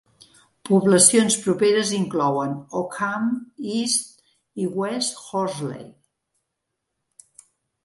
Poblacions properes inclouen Ockham, East i West Horsley.